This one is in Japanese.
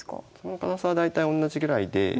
堅さは大体同じぐらいで。